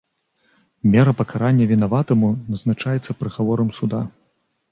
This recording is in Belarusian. Мера пакарання вінаватаму назначаецца прыгаворам суда.